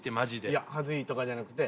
いや恥ずいとかじゃなくて。